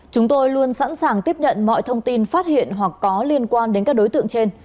chúng tôi luôn sẵn sàng tiếp nhận mọi thông tin phát hiện hoặc có liên quan đến các đối tượng trên